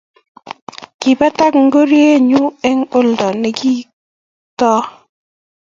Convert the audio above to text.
Kibetaga ngorienyu eng' oldo ne kinto